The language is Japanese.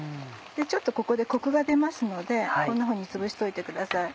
ちょっとここでコクが出ますのでこんなふうにつぶしておいてください。